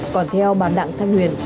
còn theo bà đặng thanh nguyên